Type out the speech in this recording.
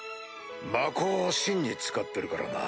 魔鋼を芯に使ってるからな。